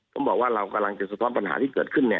ผมบอกว่าเรากำลังจะสะท้อนปัญหาที่เกิดขึ้น